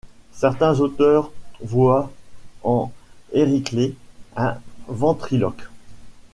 Certains auteurs voient en Euryclés un ventriloque.